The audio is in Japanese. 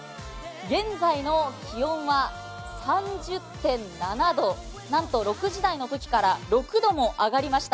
現在の気温は３０．７度、なんと６時台のときから６度も上がりました。